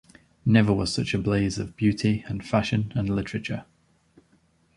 Never was such a blaze of beauty, and fashion, and literature.